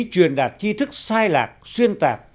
truyền đạt chi thức sai lạc xuyên tạc